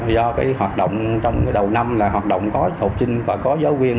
do cái hoạt động trong cái đầu năm là hoạt động có học sinh và có giáo viên